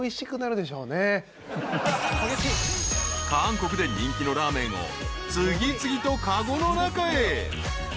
［韓国で人気のラーメンを次々と籠の中へ］